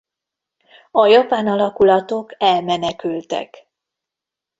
A japán alakulatok elmenekültek.